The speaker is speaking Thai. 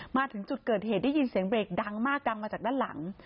มาถึงจุดเกิดเหตุได้ยินเสียงเบรกดังมากดังมาจากด้านหลัง